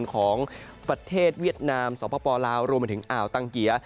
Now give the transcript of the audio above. ของประเทศเวียดนามสปลาวรวมมาถึงอ่าวตังเกีย